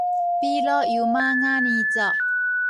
比努悠瑪雅呢族